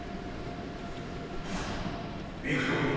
ビクトリー